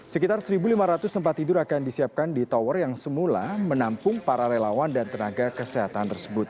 sekitar satu lima ratus tempat tidur akan disiapkan di tower yang semula menampung para relawan dan tenaga kesehatan tersebut